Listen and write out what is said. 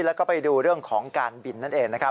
แล้วก็ไปดูเรื่องของการบินนั่นเองนะครับ